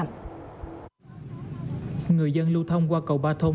người dân lưu thông qua cầu ba thôn